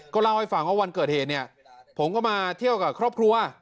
เล่าให้ฟังว่าวันเกิดเหตุเนี่ยผมก็มาเที่ยวกับครอบครัว